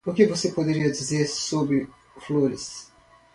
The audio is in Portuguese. O que você poderia dizer sobre flores?